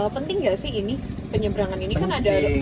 penting gak sih ini penyebrangan ini kan ada jalan